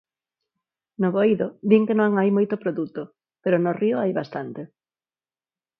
No Bohído din que non hai moito produto, pero no río hai bastante.